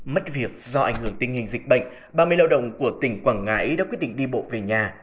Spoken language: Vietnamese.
mất việc do ảnh hưởng tình hình dịch bệnh ba mươi lao động của tỉnh quảng ngãi đã quyết định đi bộ về nhà